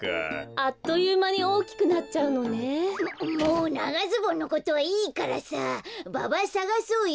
あっというまにおおきくなっちゃうのね。ももうながズボンのことはいいからさババさがそうよ！